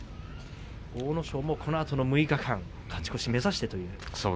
阿武咲、このあと６日間勝ち越し目指してという。